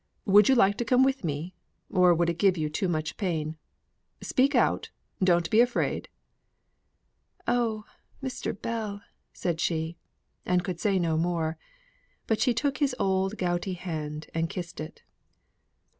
Would you like to come with me? Or would it give you too much pain? Speak out, don't be afraid." "Oh, Mr. Bell," said she and could say no more. But she took his old gouty hand, and kissed it.